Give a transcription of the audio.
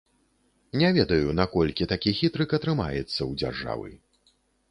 Не ведаю, наколькі такі хітрык атрымаецца ў дзяржавы.